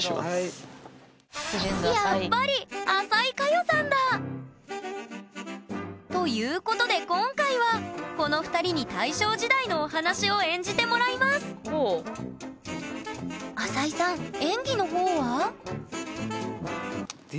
やっぱり淺井カヨさんだ！ということで今回はこの２人に大正時代のお話を演じてもらいます淺井さん演技の方は？